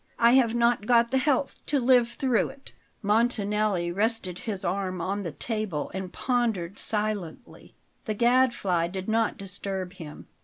I have not got the health to live through it." Montanelli rested his arm on the table and pondered silently. The Gadfly did not disturb him.